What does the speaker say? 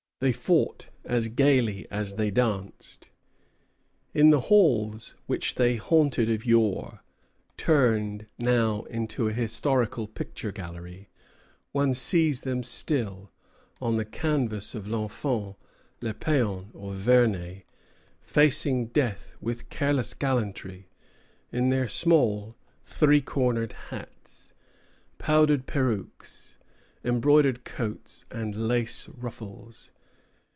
They fought as gayly as they danced. In the halls which they haunted of yore, turned now into a historical picture gallery, one sees them still, on the canvas of Lenfant, Lepaon, or Vernet, facing death with careless gallantry, in their small three cornered hats, powdered perukes, embroidered coats, and lace ruffles.